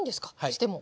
しても。